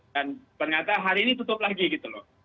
dan ternyata hari ini tutup lagi gitu loh